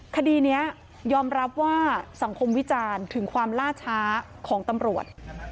คดีนี้ยอมรับว่าสังคมวิจารณ์ถึงความล่าช้าของตำรวจ